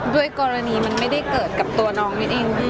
ด้วยกรณีมันไม่ได้เกิดกับตัวน้องมิ้นเองพี่